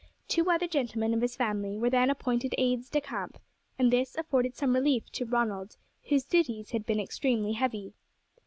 Two other gentlemen of family were then appointed aides de camp, and this afforded some relief to Ronald, whose duties had been extremely heavy.